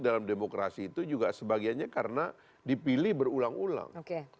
dalam demokrasi itu juga sebagiannya karena dipilih berulang ulang